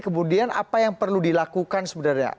kemudian apa yang perlu dilakukan sebenarnya